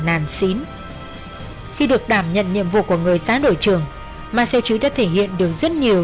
nàn xín khi được đảm nhận nhiệm vụ của người xã đội trưởng mai xeo chứ đã thể hiện được rất nhiều